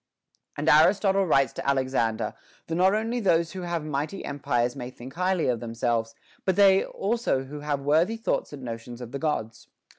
* And Aristotle writes to Alexander, that not only those who have mighty empires may think highly of themselves, but they also who have worthy thoughts and notions of the Gods.